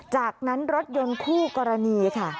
จากนั้นรถยนต์คู่กรณีค่ะ